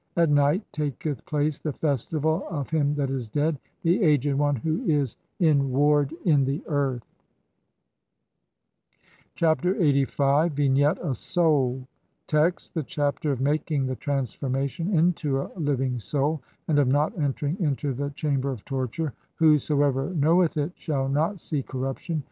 At night taketh "place the festival of him that is dead, the Aged One, who is "in ward [in] the earth." Chapter LXXXV. [From the Papyrus of Nu (Brit. Mus. No. 10,477, sheet 9).] Vignette : A soul. Text : (1) The Chapter of making the transformation INTO A LIVING SOUL, AND OF NOT ENTERING INTO THE CHAMBER OF TORTURE ; whosoever knoweth [it] shall not see corruption.